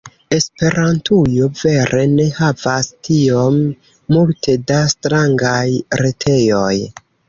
Esperantujo vere ne havas tiom multe da strangaj retejoj.